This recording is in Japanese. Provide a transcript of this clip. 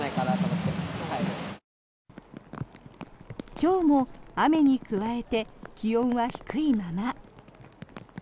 今日も雨に加えて気温は低いまま。